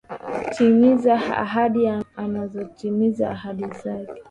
Timiza ahadi anatimiza ahadi zake.